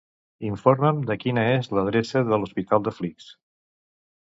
Informa'm de quina és l'adreça de l'hospital de Flix.